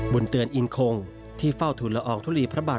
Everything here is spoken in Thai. เตือนอินคงที่เฝ้าทุนละอองทุลีพระบาท